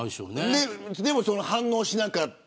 でも反応してなかった。